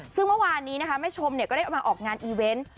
ซึ่งเมื่อวานนี้นะคะแม่ชมก็ได้มาออกงานอีเวนต์